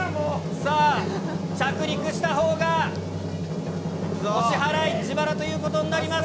さあ、着陸したほうがお支払い、自腹ということになります。